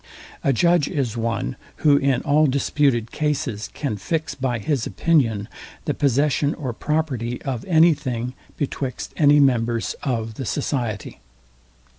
A judge is one, who in all disputed cases can fix by his opinion the possession or property of any thing betwixt any members of the society.